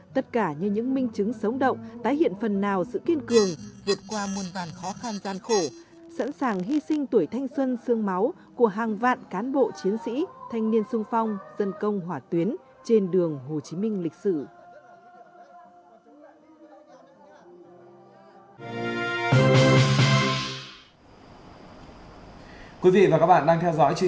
tất cả như những minh chứng sống động tái hiện phần nào sự kiên cường vượt qua môn vàn khó khăn gian khổ sẵn sàng hy sinh tuổi thanh xuân sương máu của hàng vạn cán bộ chiến sĩ thanh niên xung phong dân công hỏa tuyến trên đường hồ chí minh lịch sử